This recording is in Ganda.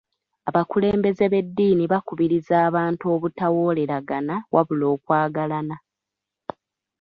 Abakulembeze b'eddiini bakubiriza abantu obutawooleragana wabula okwagalana.